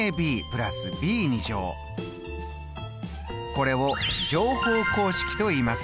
これを乗法公式といいます。